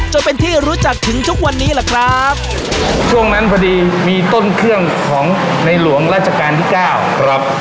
จนเป็นที่รู้จักถึงทุกวันนี้แหละครับช่วงนั้นพอดีมีต้นเครื่องของในหลวงราชการที่เก้าครับ